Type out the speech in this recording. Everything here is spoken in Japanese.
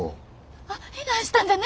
あっ避難したんじゃね？